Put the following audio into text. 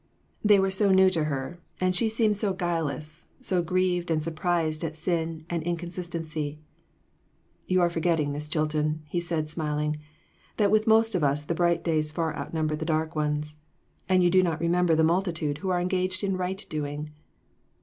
They were so new to her, and she seemed so guileless, so grieved and surprised at sin and inconsistency. "You are forgetting, Miss Chilton," he said, smiling, "that with most of us the bright days far outnumber the dark ones ; and you do not remember the multitude who are engaged in right doing."